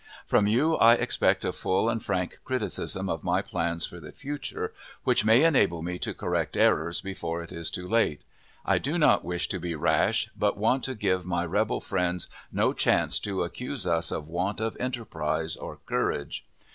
From you I expect a full and frank criticism of my plans for the future, which may enable me to correct errors before it is too late. I do not wish to be rash, but want to give my rebel friends no chance to accuse us of want of enterprise or courage.